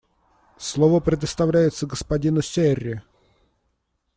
Слово предоставляется господину Серри.